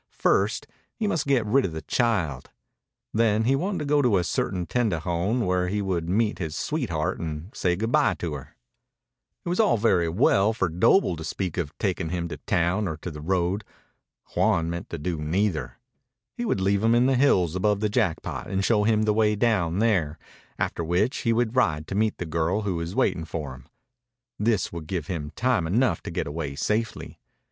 First, he must get rid of the child. Then he wanted to go to a certain tendejon where he would meet his sweetheart and say good bye to her. It was all very well for Doble to speak of taking him to town or to the road. Juan meant to do neither. He would leave him in the hills above the Jackpot and show him the way down there, after which he would ride to meet the girl who was waiting for him. This would give him time enough to get away safely.